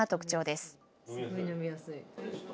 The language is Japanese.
すごい飲みやすい。